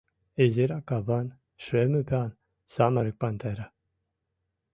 Изирак капан, шем ӱпан, самырык пантера.